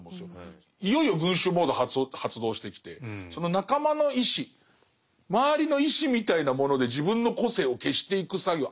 いよいよ群衆モード発動してきてその仲間の意思周りの意思みたいなもので自分の個性を消していく作業。